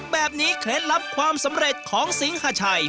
เคล็ดลับความสำเร็จของสิงหาชัย